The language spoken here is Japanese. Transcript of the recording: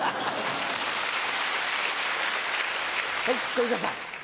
小遊三さん。